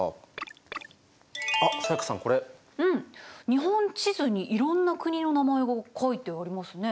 日本地図にいろんな国の名前が書いてありますね。